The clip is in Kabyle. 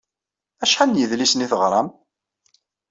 Acḥal n yedlisen i teɣṛam?